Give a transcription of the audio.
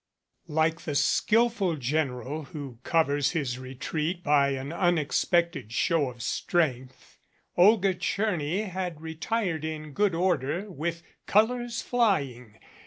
LIKE the skillful general who covers his retreat by an unexpected show of strength, Olga Tcherny had retired in good order, with colors flying.